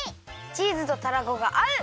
チーズとたらこがあう！